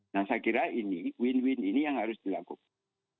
nah saya kira ini win win ini yang harus dilakukan